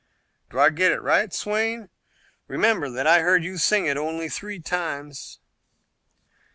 "Do I get it right, Swayne? Remember that I heard you sing it only three times."